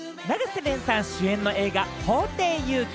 永瀬廉さん主演の映画『法廷遊戯』。